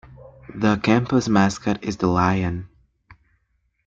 The campus mascot is the lion.